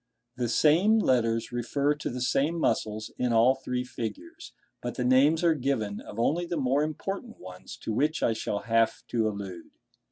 The same letters refer to the same muscles in all three figures, but the names are given of only the more important ones to which I shall have to allude.